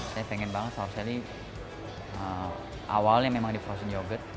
saya pengen banget sour sally awalnya memang di frozen yogurt